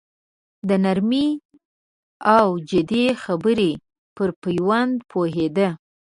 د نرمې او جدي خبرې پر پېوند پوهېده.